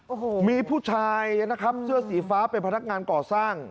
โอ้โหมีผู้ชายนะครับเสื้อสีฟ้าเป็นพนักงานก่อสร้าง